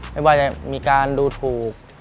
ไม่ว่าจะมีการดูถูก